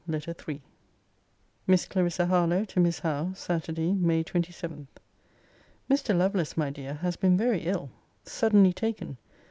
LETTER III MISS CLARISSA HARLOWE, TO MISS HOWE SATURDAY, MAY 27. Mr. Lovelace, my dear, has been very ill. Suddenly taken.